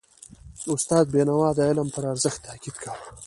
استاد بینوا د علم پر ارزښت تاکید کاوه.